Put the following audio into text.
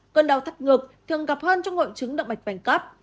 cơn đau thắt ngực thường gặp hơn trong hội chứng đậm mạch vành cấp